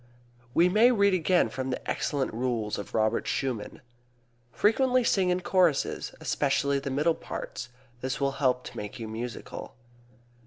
We may read again from the excellent rules of Robert Schumann: "Frequently sing in choruses, especially the middle parts; this will help to make you musical."